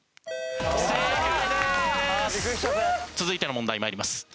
続いての問題参ります。